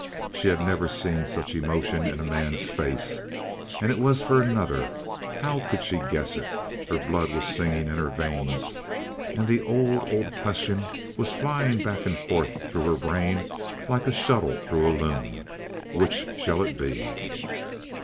She had never seen such emotion in any man's face, and if it was for another, how could she guess it? Her blood was singing in her veins, and the old, old question was flying back and forth through her brain like a shuttle through a loom: Which shall it be?